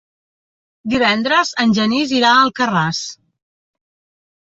Divendres en Genís irà a Alcarràs.